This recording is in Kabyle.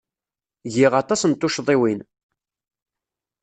Giɣ aṭas n tuccḍiwin.